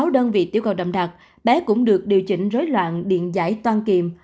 sáu đơn vị tiêu cầu đậm đặc bé cũng được điều chỉnh rối loạn điện giải toan kiềm